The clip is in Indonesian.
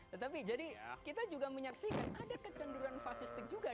tetapi jadi kita juga menyaksikan ada kecenderungan fasistik juga